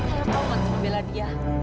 harap kamu nggak mau membela dia